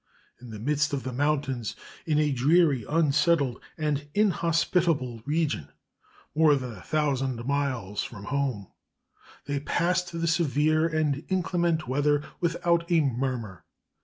In the midst of the mountains, in a dreary, unsettled, and inhospitable region, more than a thousand miles from home, they passed the severe and inclement winter without a murmur.